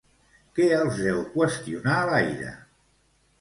Que els deu qüestionar l'aire?